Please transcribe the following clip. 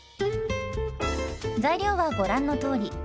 材料はご覧のとおり。